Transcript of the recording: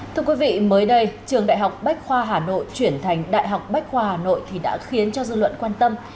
thưa quý vị mới đây trường đại học bách khoa hà nội chuyển thành đại học bách khoa hà nội thì đã khiến cho dư luận quan tâm